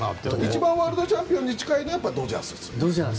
一番ワールドチャンピオンに近いのはドジャースですよね